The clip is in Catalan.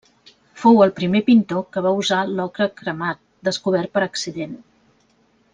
Fou el primer pintor que va usar l'ocre cremat, descobert per accident.